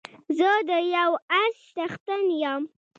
زه د يو اس څښتن يم